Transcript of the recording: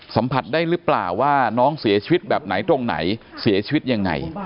สัมผัสได้หรือเปล่าว่าน้องเสียชีวิตแบบไหนตรงไหนเสียชีวิตยังไง